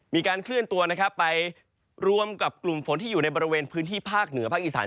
มีการเคลื่อนตัวนะครับไปรวมกับกลุ่มฝนที่อยู่ในบริเวณพื้นที่ภาคเหนือภาคอีสาน